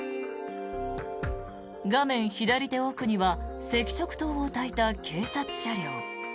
画面左手奥には赤色灯をたいた警察車両。